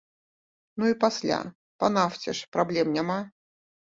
Ну і пасля, па нафце ж праблем няма.